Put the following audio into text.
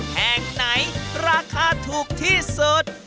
แห่งไหนราคาถูกที่สุด